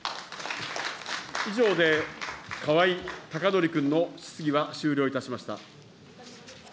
以上で川合孝典君の質疑は終了いたしました。